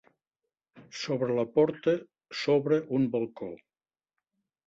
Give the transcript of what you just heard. Sobre la porta s'obre un balcó.